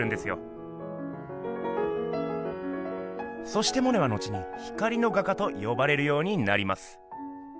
そしてモネは後に「光の画家」と呼ばれるようになります。